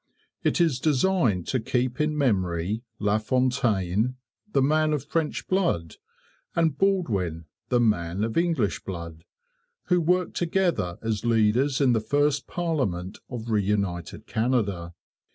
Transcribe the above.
It is designed to keep in memory LaFontaine, the man of French blood, and Baldwin, the man of English blood, who worked together as leaders in the first parliament of reunited Canada.